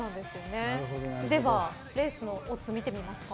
ではレースのオッズ見てみますか。